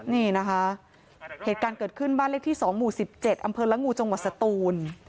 นี่นะคะเหตุการณ์เกิดขึ้นบ้านเลขที่๒หมู่๑๗อำเภอละงูจังหวัดสตูน